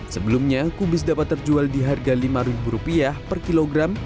sebelumnya kubis dapat terjual di harga rp lima per kilogram